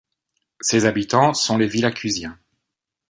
Ses habitants sont les Villacusiens.